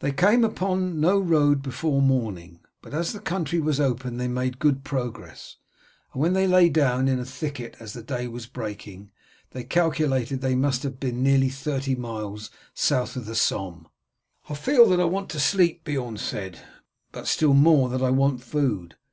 They came upon no road before morning, but as the country was open they made good progress, and when they lay down in a thicket as the day was breaking they calculated that they must be nearly thirty miles south of the Somme. "I feel that I want sleep," Beorn said, "but still more that I want food.